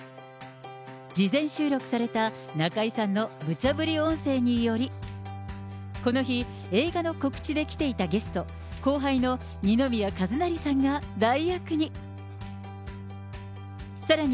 事前収録された中居さんのむちゃぶり音声により、この日、映画の告知で来ていたゲスト、後輩の二宮和也さんが代役に。